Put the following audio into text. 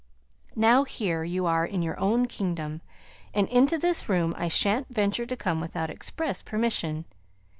"Now, here you are in your own kingdom; and into this room I shan't venture to come without express permission.